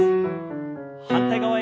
反対側へ。